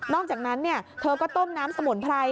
อกจากนั้นเธอก็ต้มน้ำสมุนไพร